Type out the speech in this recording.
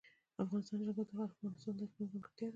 د افغانستان جلکو د افغانستان د اقلیم ځانګړتیا ده.